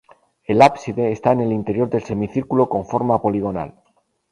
El ábside está en el interior del semicírculo con forma poligonal.